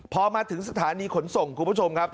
พอมาถึงสถานีขนส่งคุณผู้ชมครับ